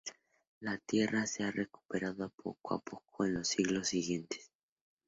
La tierra se ha recuperado poco a poco en los siglos siguientes.